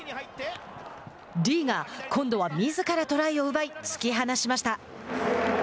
リーが、今度はみずからトライを奪い突き放しました。